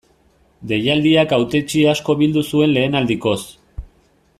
Deialdiak hautetsi asko bildu zuen lehen aldikoz.